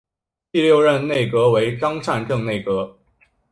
第六任内阁为张善政内阁。